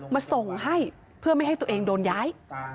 มาส่งให้เพื่อไม่ให้ตัวเองโดนย้าย